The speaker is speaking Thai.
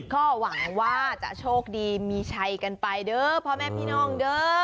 ก็หวังว่าจะโชคดีมีชัยกันไปเด้อพ่อแม่พี่น้องเด้อ